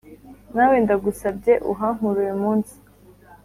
nawe ndagusabye uhankure uyumunsi,